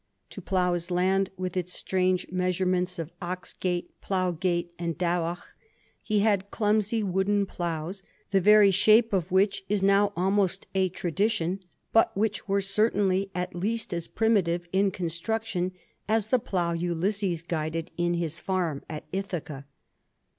To plough his land, with its strange measurements of *oxgate,' * ploughgate,' and *davoch,' he had clumsy wooden ploughs, the very shape of which is now almost a tradition, but which were certainly at least as primitive in construction as the plough Ulysses guided in his ferm at Ithaca.